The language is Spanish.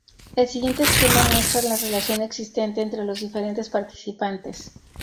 El siguiente esquema muestra la relación existente entre los diferentes participantes.